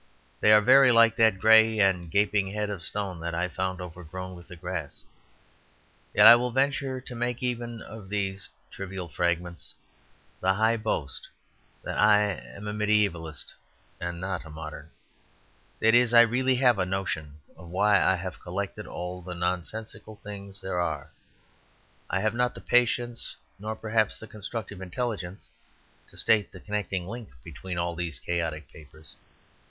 They are very like that grey and gaping head of stone that I found overgrown with the grass. Yet I will venture to make even of these trivial fragments the high boast that I am a medievalist and not a modern. That is, I really have a notion of why I have collected all the nonsensical things there are. I have not the patience nor perhaps the constructive intelligence to state the connecting link between all these chaotic papers.